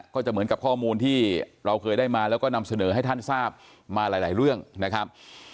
ก็จะเหมือนกับข้อมูลที่เราเคยได้มาแล้วก็นำเสนอให้ท่านทราบมาหลายเรื่องนะครับ